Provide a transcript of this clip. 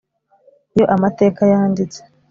iyo amateka yanditse,